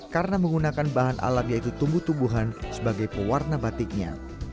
karena menggunakan bahan alam yaitu tumbuh tumbuhan sebagai pewarna batiknya